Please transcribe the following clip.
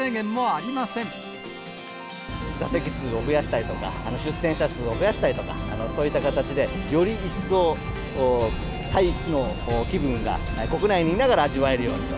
座席数を増やしたりとか、出店者数を増やしたりとか、そういった形で、より一層、タイの気分が国内にいながら味わえるようにと。